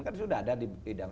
kan sudah ada di bidang